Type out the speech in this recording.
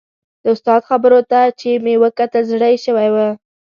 د استاد خبرو ته چې مې وکتل زړه یې شوی و.